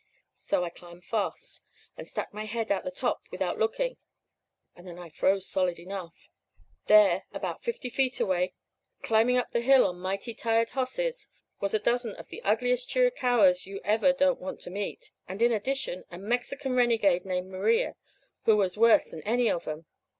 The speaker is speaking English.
"So I climbed fast, and stuck my head out the top without looking and then I froze solid enough. There, about fifty feet away, climbing up the hill on mighty tired hosses, was a dozen of the ugliest Chiricahuas you ever don't want to meet, and in addition a Mexican renegade named Maria, who was worse than any of 'em.